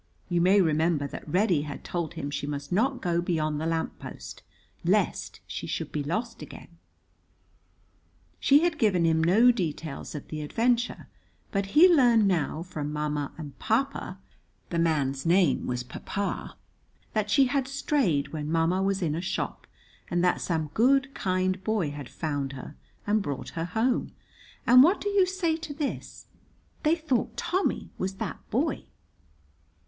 You may remember that Reddy had told him she must not go beyond the lamp post, lest she should be lost again. She had given him no details of the adventure, but he learned now from Ma ma and Papa (the man's name was Papa) that she had strayed when Ma ma was in a shop and that some good kind boy had found her and brought her home; and what do you say to this, they thought Tommy was that boy!